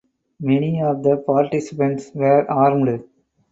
Many of the participants were armed.